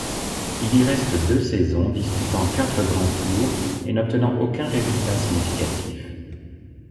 Il y reste deux saisons disputant quatre grands tours et n'obtenant aucun résultat significatif.